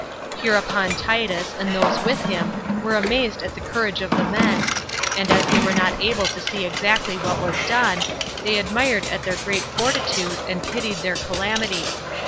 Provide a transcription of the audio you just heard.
Hereupon Titus, and those with him, were amazed at the courage of the men; and as they were not able to see exactly what was done, they admired at their great fortitude, and pitied their calamity.